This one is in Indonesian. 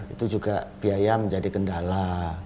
itu juga biaya menjadi kendala